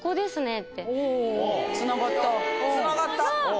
つながった。